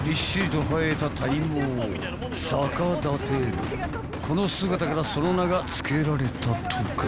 ［この姿からその名が付けられたとか］